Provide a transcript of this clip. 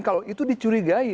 kalau itu dicurigai